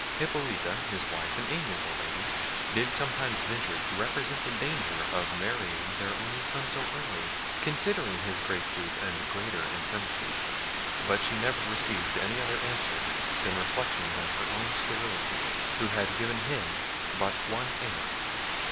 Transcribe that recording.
Hippolita, his wife, an amiable lady, did sometimes venture to represent the danger of marrying their only son so early, considering his great youth, and greater infirmities; but she never received any other answer than reflections on her own sterility, who had given him but one heir.